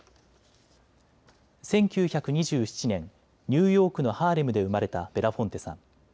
１９２７年、ニューヨークのハーレムで生まれたベラフォンテさん。